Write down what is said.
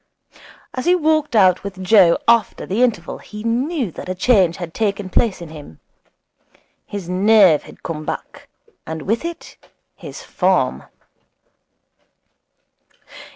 As he walked out with Joe after the interval he knew that a change had taken place in him. His nerve had come back, and with it his form.